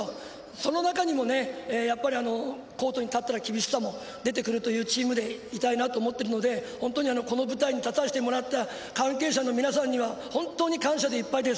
その中にも、やっぱりコートに立ったら厳しさも出てくるというチームでいたいなと思っているので本当にこの舞台に立たせてもらった関係者の皆さんには本当に感謝でいっぱいです。